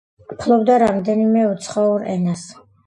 ფლობდა რამდენიმე უცხოურ ენას.